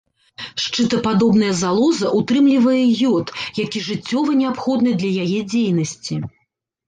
Шчытападобная залоза ўтрымлівае ёд, які жыццёва неабходны для яе дзейнасці.